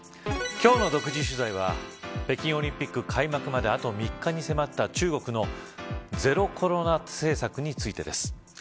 今日の独自取材は北京オリンピック開幕まであと３日に迫った中国のゼロコロナ政策についてです。